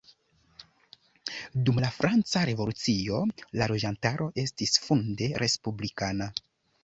Dum la franca revolucio, la loĝantaro estis funde respublikana.